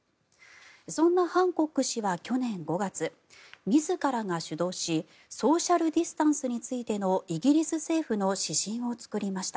そんなハンコック氏は去年５月自らが主導しソーシャル・ディスタンスについてのイギリス政府の指針を作りました。